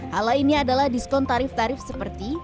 hala ini adalah diskon tarif tarif seperti